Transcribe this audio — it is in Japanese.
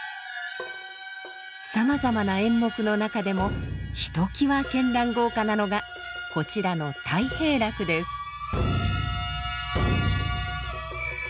さまざまな演目の中でもひときわ絢爛豪華なのがこちらの「太平楽」です。